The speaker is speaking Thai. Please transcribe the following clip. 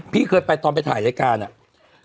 พี่เคยไปตอนไปถ่ายรายการอะ